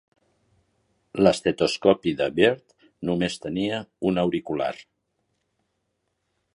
L'estetoscopi de Bird només tenia un auricular.